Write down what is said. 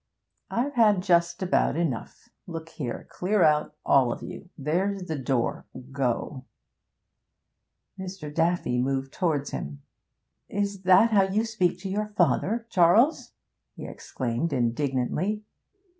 'I've had just about enough. Look here, clear out, all of you! There's the door go!' Mr. Daffy moved towards him. 'Is that how you speak to your father, Charles?' he exclaimed indignantly.